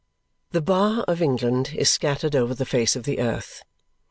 The bar of England is scattered over the face of the earth.